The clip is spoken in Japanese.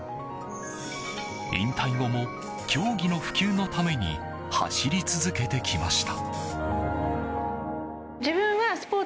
引退後も競技の普及のために走り続けてきました。